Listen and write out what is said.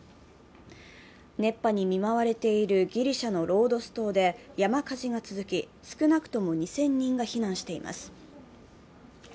熱波に見舞われているギリシャのロードス島で山火事が続き、少なくとも２０００人が避難しています。